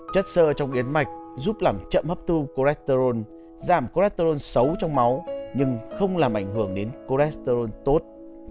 chất sơ trong yến mạch giúp làm chậm hấp thu cho retorld giảm cholesterol xấu trong máu nhưng không làm ảnh hưởng đến cholesterol tốt